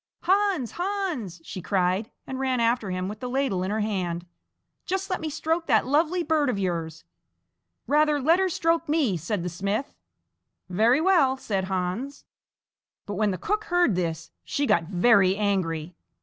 "Hans, Hans!" she cried, and ran after him with the ladle in her hand; "just let me stroke that lovely bird of yours." "Rather let her stroke me!" said the smith. "Very well," said Hans. But when the cook heard this, she got very angry.